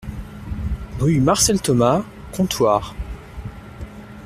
Rue Marcel Thomas, Contoire